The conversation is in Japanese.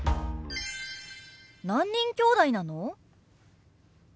何人きょうだいなの？